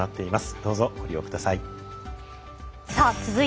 どうぞご利用ください。